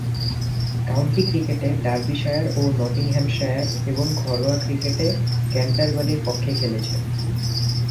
County ক্রিকেটে Derbyshire ও Nottinghamshire এবং ঘরোয়া ক্রিকেটে ক্যান্টারবারির পক্ষে খেলেছেন।